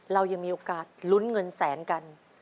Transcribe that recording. เรายังมีโอกาสลุ้นเงินแสนกัน